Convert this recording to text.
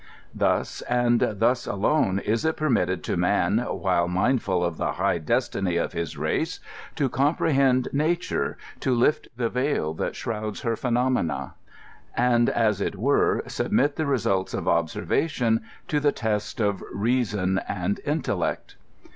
Thus, and thus alone, is it pennitted to man, while mindfiil of the high des INTRODUCTION. 2.5 ti&y <if liis race, to compiohend natarei to lift the vail that shrouds her phenomena, and, as it were, submit the results of ohsenratiou to the test of reason and of intellect.